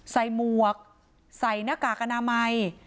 หมวกใส่หน้ากากอนามัย